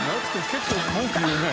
結構文句言うね。